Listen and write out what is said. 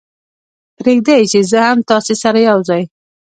پرېږدئ چې زه هم تاسې سره یو ځای.